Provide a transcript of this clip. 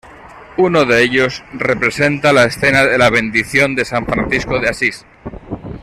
Uno de ellos representa la escena de la bendición de San Francisco de Asís.